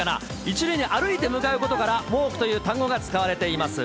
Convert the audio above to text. １塁に歩いて向かうことから、ｗａｌｋという単語が使われています。